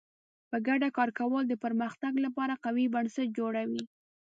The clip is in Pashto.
په ګډه کار کول د پرمختګ لپاره قوي بنسټ جوړوي.